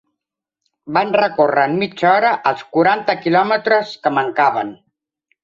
Van recórrer en mitja hora els quaranta quilòmetres que mancaven.